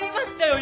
今！